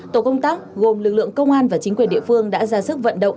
tổ công tác gồm lực lượng công an và chính quyền địa phương đã ra sức vận động